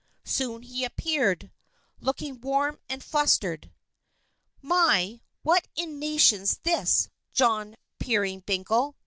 Soon he appeared, looking warm and flustered. "My, what in nation's this, John Peerybingle!"